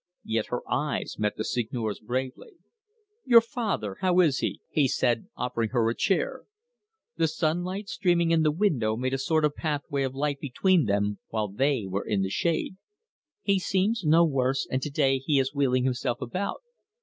Yet her eyes met the Seigneur's bravely. "Your father, how is he?" he said, offering her a chair. The sunlight streaming in the window made a sort of pathway of light between them, while they were in the shade. "He seems no worse, and to day he is wheeling himself about."